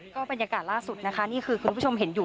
ก็บรรยากาศล่าสุดนะคะนี่คือคุณผู้ชมเห็นอยู่